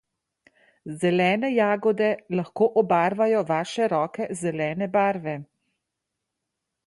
Zelene jagode lahko obarvajo vaše roke zelene barve.